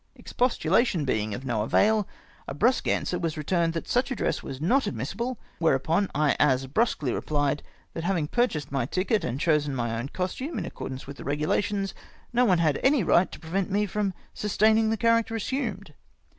Expostulation being of no avail, a brusque answer was retm^ned that such a dress was not admis sible, whereupon I as brusquely rephed that havmg pm'chased my ticket, and chosen my own costume in accordance with the regidations, no one had any right to prevent me from sustaining the character assumed.